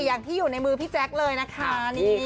อย่างที่อยู่ในมือพี่แจ๊คเลยนะคะ